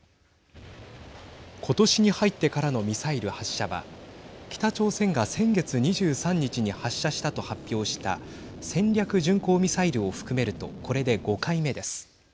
今年に入ってからのミサイル発射は北朝鮮が先月２３日に発射したと発表した戦略巡航ミサイルを含めるとこれで５回目です。